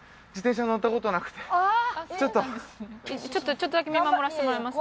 ちょっとだけ見守らせてもらいますか。